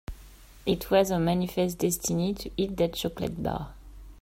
It was her manifest destiny to eat that chocolate bar.